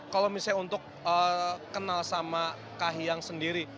kalau misalnya untuk kenal sama kak hiang sendiri